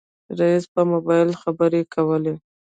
رئيسې په موبایل خبرې کولې.